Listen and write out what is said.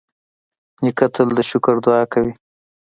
نیکه تل د شکر دعا کوي.